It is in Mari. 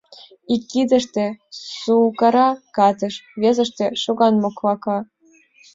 Ик кидыште — сукара катыш, весыште — шоган моклака.